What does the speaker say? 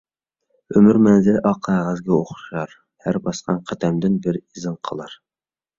ئۆمۈر مەنزىلى ئاق قەغەزگە ئوخشار، ھەر باسقان قەدەمدىن بىر ئىزىڭ قالار.